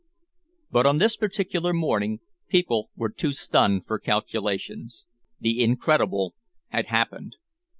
But on this particular morning, people were too stunned for calculations. The incredible had happened.